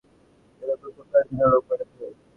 আমি এমন একজন মানুষ যাকে এইরকম সব কাজের জন্য লোক পাঠাতে হয়।